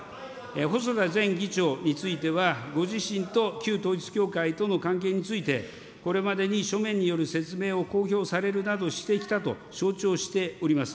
細田前議長については、ご自身と旧統一教会との関係について、これまでに書面による説明を公表されるなどしてきたと承知をしております。